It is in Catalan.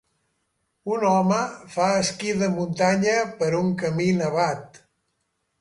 Un home fa esquí de muntanya per un camí nevat.